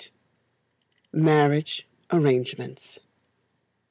1938. Marriage Arrangements.